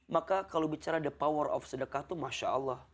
maka kalau bicara the power of sedekah itu masya allah